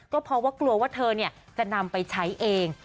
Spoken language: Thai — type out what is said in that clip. ก็เพราะว่ากลัวว่าเธอจะนำไปใช้เอง